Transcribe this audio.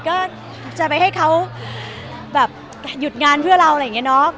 ก็จะไปให้เขาแบบหยุดงานเพื่อเราอะไรอย่างนี้เนาะ